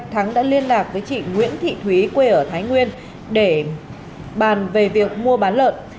thắng đã liên lạc với chị nguyễn thị thúy quê ở thái nguyên để bàn về việc mua bán lợn